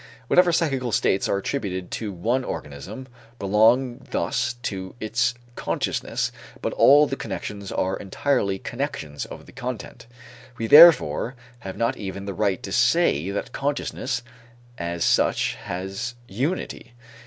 Whatever psychical states are attributed to one organism belong thus to its consciousness but all the connections are entirely connections of the content. We, therefore, have not even the right to say that consciousness, as such, has unity.